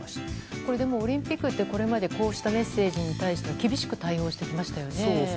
これ、オリンピックってこれまでこうしたメッセージに対して厳しく対応してきましたよね。